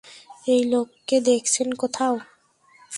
এই লোককে দেখছেন, কোথাও?